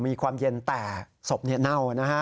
มีความเย็นแต่ศพเน่า